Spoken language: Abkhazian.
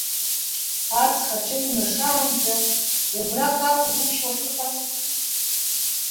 Аҵх аҽеиҩнашаанӡа, убраҟа акәзушь уахьыҟаз?